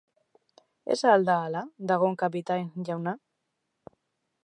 Ez al da hala, Dagon kapitain jauna?